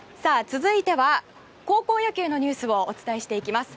続いては、高校野球のニュースをお伝えしていきます。